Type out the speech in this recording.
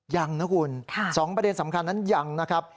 ยังนะคุณ๒ประเด็นสำคัญนั้นยังนะครับ